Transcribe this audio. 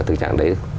tình trạng đấy